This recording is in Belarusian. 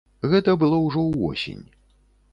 Гэта было ўжо ўвосень.